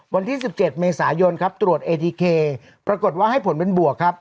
วันที่๑๗เมษายนครับตรวจเอทีเคปรากฏว่าให้ผลเป็นบวกครับ